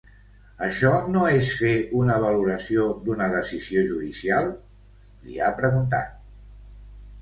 Això no és fer una valoració d’una decisió judicial?, li ha preguntat.